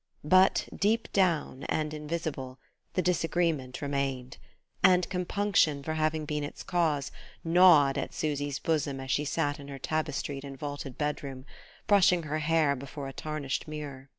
But, deep down and invisible, the disagreement remained; and compunction for having been its cause gnawed at Susy's bosom as she sat in her tapestried and vaulted bedroom, brushing her hair before a tarnished mirror.